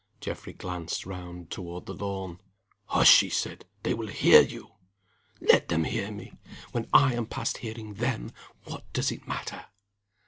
Geoffrey glanced round toward the lawn. "Hush!" he said. "They will hear you!" "Let them hear me! When I am past hearing them, what does it matter?"